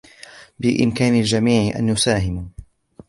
بإمكان الجميع أن يساهموا.